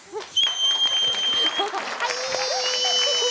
はい。